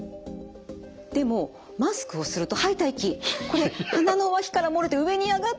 でもマスクをすると吐いた息これ鼻の脇から漏れて上に上がってますよね。